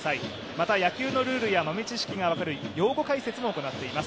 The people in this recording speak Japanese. また、野球のルールや豆知識が分かる用語解説も行っています。